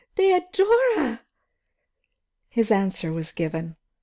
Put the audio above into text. Theodora!" His answer was given.